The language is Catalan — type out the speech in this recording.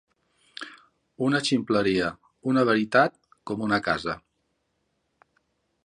Una ximpleria, una veritat, com una casa.